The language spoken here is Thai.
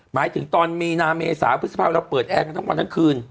หมายถึงตอนมีนาเมษาพฤษภาพเราเปิดแอร์กันทั้งวันทั้งคืน